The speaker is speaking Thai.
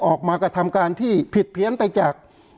ออกมากับทำการที่ผิดเพี้ยนไปจาก